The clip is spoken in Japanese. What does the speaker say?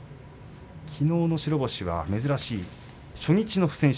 きのうの白星は珍しい初日の不戦勝